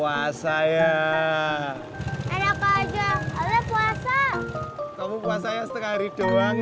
alia mau bareng